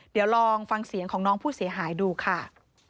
เดี๋ยวลองฟังเสียงของน้องผู้เสียหายดูค่ะ